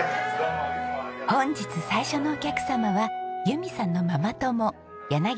本日最初のお客様は由美さんのママ友澤明子さんです。